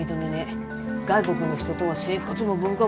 外国の人とは生活も文化も違う。